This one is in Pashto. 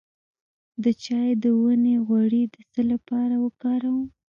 د چای د ونې غوړي د څه لپاره وکاروم؟